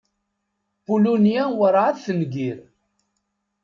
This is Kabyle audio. Pulunya werɛad tengir.